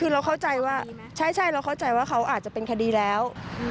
คือเราเข้าใจว่าใช่เราเข้าใจว่าเขาอาจจะเป็นคดีแล้ว